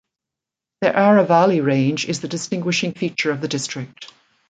The Aravalli Range is the distinguishing feature of the district.